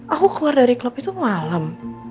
aku keluar dari klub itu malam